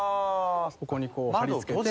ここにこう貼りつけて。